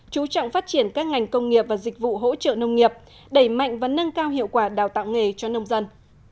chú trọng phát triển các ngành công nghiệp và dịch vụ hỗ trợ nông nghiệp đẩy mạnh và nâng cao hiệu quả đào tạo nghề cho nông dân